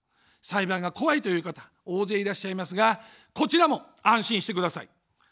裁判が怖いという方、大勢いらっしゃいますが、こちらも安心してください。